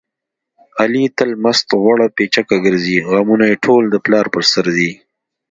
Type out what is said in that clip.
علي تل مست غوړه پیچکه ګرځي. غمونه یې ټول د پلار په سر دي.